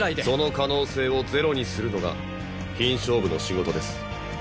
その可能性をゼロにするのが品証部の仕事です。